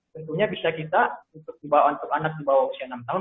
tentunya bisa kita untuk anak di bawah usia enam tahun